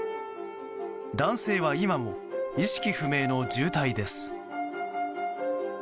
男性は今も意識不明の重体です。